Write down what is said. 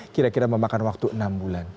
kira kira memakan waktu enam bulan